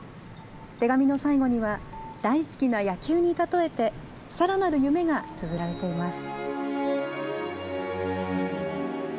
手紙の最後には、大好きな野球に例えて、さらなる夢がつづられています。